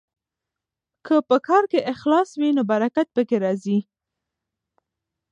که په کار کې اخلاص وي نو برکت پکې راځي.